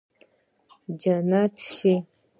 جنتي شې